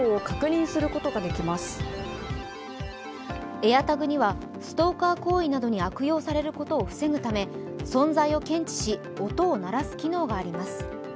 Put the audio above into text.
ＡｉｒＴａｇにはストーカー行為に悪用されることを防ぐため存在を検知し、音を鳴らす機能があります。